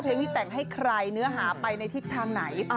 เพลงที่แต่งให้ใครเนื้อหาไปในทิศทางไหน